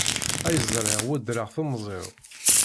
Ay ẓriɣ weddreɣ temẓi-w.